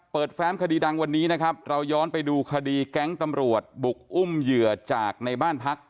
แฟ้มคดีดังวันนี้นะครับเราย้อนไปดูคดีแก๊งตำรวจบุกอุ้มเหยื่อจากในบ้านพัก